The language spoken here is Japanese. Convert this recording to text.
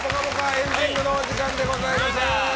エンディングのお時間でございます。